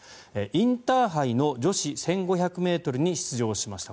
インターハイの女子１５００ｍに出場しました。